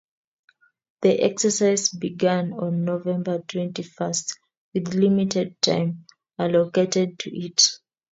The exercise began on November twenty-first with limited time allocated to it.